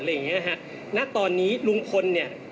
อย่างเงี้ยฮะณตอนนี้ลุงพลเนี่ย